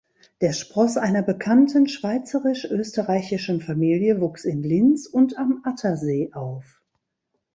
Der Spross einer bekannten schweizerisch-österreichischen Familie wuchs in Linz und am Attersee auf.